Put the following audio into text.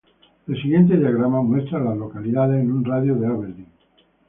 El siguiente diagrama muestra a las localidades en un radio de de Aberdeen.